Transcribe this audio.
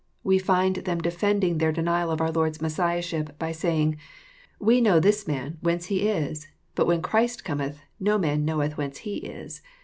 We find them defending their denial of our Lord's Messiahship, by saying, " We know this man whence He is : but when Christ cometh no man knoweth whence He is."